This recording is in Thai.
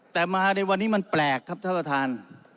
แต่มาในวันนี้มันแปลกครับท่านประธาน